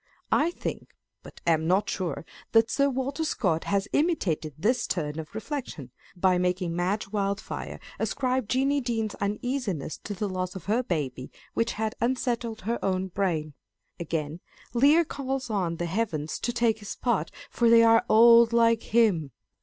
I think, but am not sure that Sir Walter Scott has imitated this turn of reflection, by making Madge Wildfire ascribe Jeanie Deans's uneasiness to the loss of her baby, which had un settled her own brain. Again, Lear calls on the Heavens to take his part, for " they are old like him."